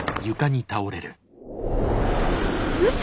うそ！